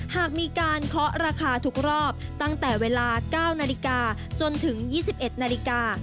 หากมีการเคาะราคาทุกรอบตั้งแต่เวลา๙นาฬิกาจนถึง๒๑นาฬิกา